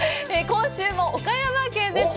今週も岡山県です。